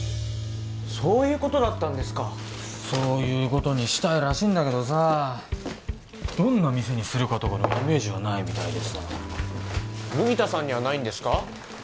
そういうことだったんですかそういうことにしたいらしいんだけどさどんな店にするかとかのイメージはないみたいでさ麦田さんにはないんですか？